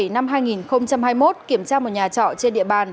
ngày một mươi tám tháng bảy năm hai nghìn hai mươi một kiểm tra một nhà trọ trên địa bàn